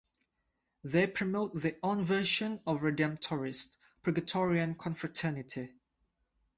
They promote their own version of a Redemptorist "Purgatorian Confraternity".